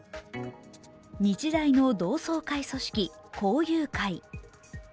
日大の同窓会組織、校友会。